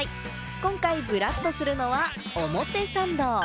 今回ブラっとするのは、表参道。